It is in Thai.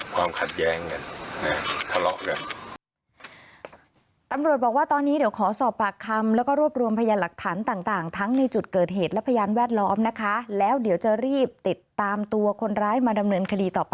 ความขัดแย้งเนี่ยทะเลาะกัน